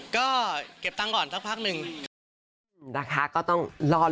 ก็เก็บเงินก่อนทักพักนึง